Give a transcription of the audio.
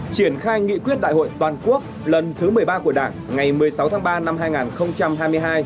triển khai nghị quyết đại hội toàn quốc lần thứ một mươi ba của đảng ngày một mươi sáu tháng ba năm hai nghìn hai mươi hai